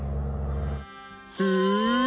へえ。